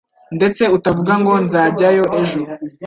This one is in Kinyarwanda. ndetse utavuga ngo nzajyayo ejo